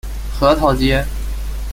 核桃街。